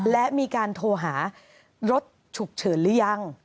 และมีการโทรหารถฉุกเฉินหรือยัง